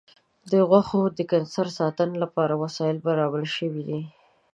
د غوښو د کنسرو ساتنې لپاره وسایل برابر شوي دي.